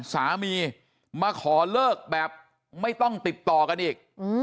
สามีมาขอเลิกแบบไม่ต้องติดต่อกันอีก